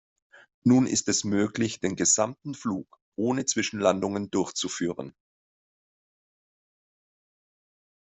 Nun ist es möglich, den gesamten Flug ohne Zwischenlandungen durchzuführen.